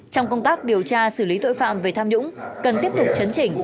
trong công tác điều tra xử lý tội phạm về tham nhũng cần tiếp tục chấn chỉnh